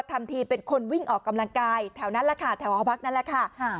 ทำทีเป็นคนวิ่งออกกำลังกายแถวนั้นแหละค่ะแถวหอพักนั่นแหละค่ะ